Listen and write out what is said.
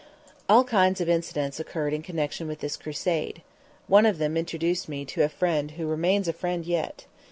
All kinds of incidents occurred in connection with this crusade. One of them introduced me to a friend who remains a friend yet.